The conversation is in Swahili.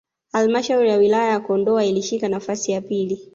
Halmshauri ya Wilaya ya Kondoa ilishika nafasi ya pili